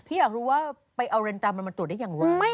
พี่อยากรู้ว่าไปเอาเลนตามันมาตรวจได้ยังไง